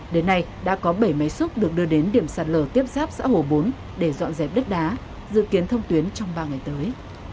đến nay đã có bảy máy xúc được đưa đến điểm sạt lở tiếp giáp xã hồ bốn để dọn dẹp đất đá dự kiến thông tuyến trong ba ngày tới